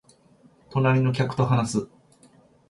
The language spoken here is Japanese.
隣の客と話す